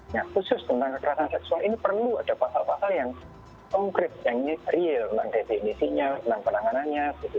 nah khusus tentang kekerasan seksual ini perlu ada pasal pasal yang konkret yang real tentang definisinya tentang penanganannya